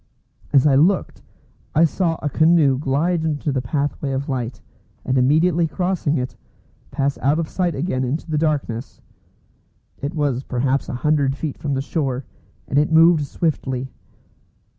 As I looked, I saw a canoe glide into the pathway of light, and immediately crossing it, pass out of sight again into the darkness. It was perhaps a hundred feet from the shore, and it moved swiftly.